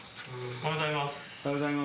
おはようございます。